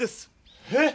えっ？